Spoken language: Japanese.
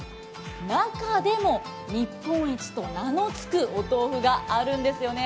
中でも日本一と名のつくお豆腐があるんですよね